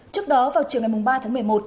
trước đó vào chiều ngày ba tháng một mươi một